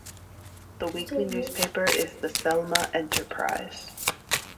The weekly newspaper is "The Selma Enterprise".